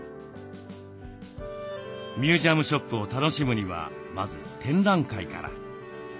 ミュージアムショップを楽しむにはまず展覧会から。